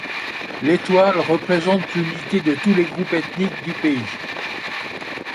L'étoile représente l'unité de tous les groupes ethniques du pays.